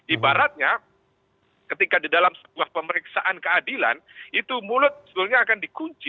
ibaratnya ketika di dalam sebuah pemeriksaan keadilan itu mulut sebetulnya akan dikunci